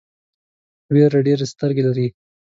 وېره ډېرې سترګې لري.